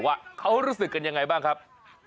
ว่าเขารู้สึกกันยังไงบ้างครับ